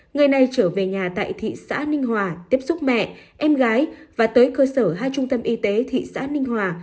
người này trở về nhà tại thị xã ninh hòa tiếp xúc mẹ em gái và tới cơ sở hai trung tâm y tế thị xã ninh hòa